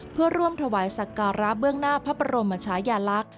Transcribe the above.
เพื่อร่วมถวายสักการะเบื้องหน้าพระบรมชายาลักษณ์